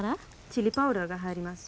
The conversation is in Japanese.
チリパウダーが入ります。